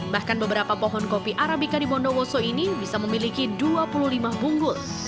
bahkan beberapa pohon kopi arabica di bondowoso ini bisa memiliki dua puluh lima bungkus